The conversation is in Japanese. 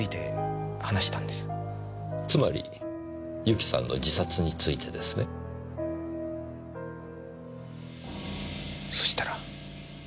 つまり由紀さんの自殺についてですね？そしたら。